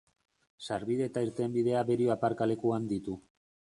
Sarbide eta irtenbidea Berio aparkalekuan ditu.